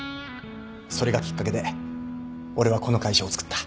それがきっかけで俺はこの会社をつくった。